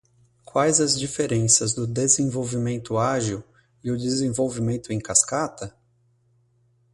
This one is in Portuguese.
Quais as diferenças do desenvolvimento ágil e o desenvolvimento em cascata?